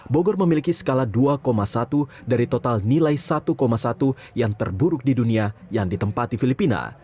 bogor memiliki skala dua satu dari total nilai satu satu yang terburuk di dunia yang ditempati filipina